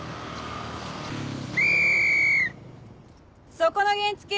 そこの原付！